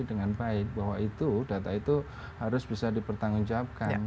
itu semua harus terawasi dengan baik bahwa itu data itu harus bisa dipertanggungjawabkan